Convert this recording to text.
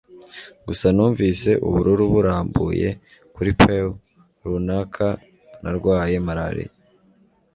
gusa numvise ubururu burambuye kuri pew, runaka narwaye malariya